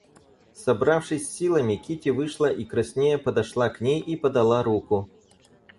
Собравшись с силами, Кити вышла и краснея подошла к ней и подала руку.